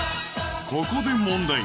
ここで問題